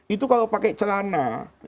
itu kalau pakai celana